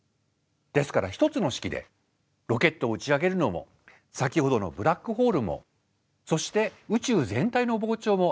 ですから１つの式でロケットを打ち上げるのも先ほどのブラックホールもそして宇宙全体の膨張も表すことができる。